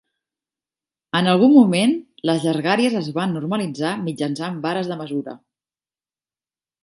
En algun moment, les llargàries es van normalitzar mitjançant vares de mesura.